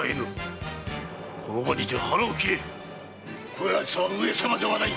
こやつは上様ではない！